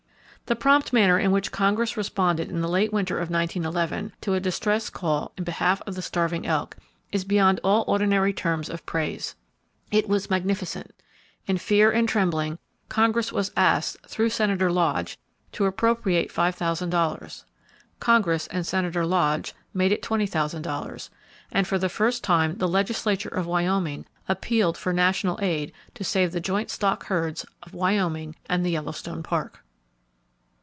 The prompt manner in which Congress responded in the late winter of 1911 to a distress call in behalf of the starving elk, is beyond all ordinary terms of praise. It was magnificent. In fear and trembling, Congress was asked, through Senator Lodge, to appropriate $5,000. Congress and Senator Lodge made it $20,000; and for the first time the legislature of Wyoming appealed for national aid to save the joint stock herds of Wyoming and the Yellowstone Park.